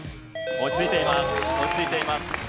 落ち着いています。